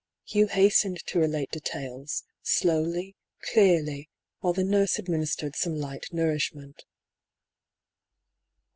Hugh hastened to relate details, slowly, clearly, while the nurse administered some light nourishment.